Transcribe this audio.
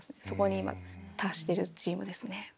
そこに今達しているチームですね。